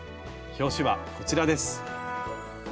表紙はこちらです。